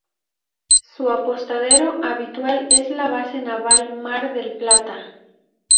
Su apostadero habitual es la Base Naval Mar del Plata.